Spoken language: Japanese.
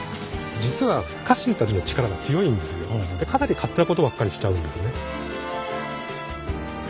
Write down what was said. かなり勝手なことばっかりしちゃうんですね。